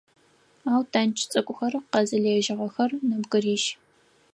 Ау тандж цӏыкӏухэр къэзылэжьыгъэхэр нэбгырищ.